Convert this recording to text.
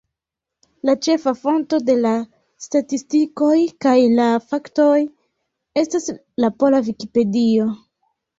La ĉefa fonto de la statistikoj kaj la faktoj estas la pola Vikipedio.